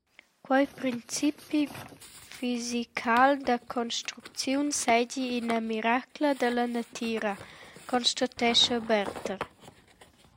Quei principi fisical da construcziun seigi ina miracla dalla natira, constatescha Berther.